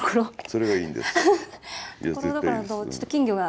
それがいいんです。